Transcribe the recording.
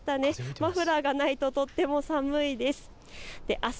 マフラーがないととっても寒いです。